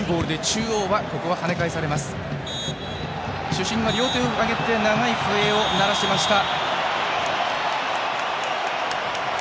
主審が両手を上げて長い笛を鳴らしました。